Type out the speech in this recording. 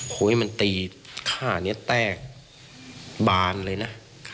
โหยมันตีข้าเนี่ยแตกบานเลยนะ